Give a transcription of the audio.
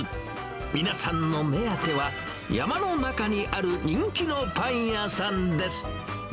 皆さんの目当ては、山の中にある人気のパン屋さんです。